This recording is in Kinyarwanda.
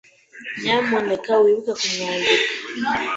Nyamuneka wibuke kumwandikira.